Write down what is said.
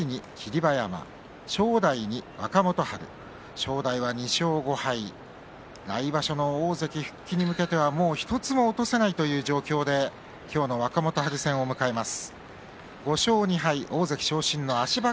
正代は２勝５敗来場所大関復帰に向けてはもう１つも落とせないという状況で今日の若元春戦を迎えます。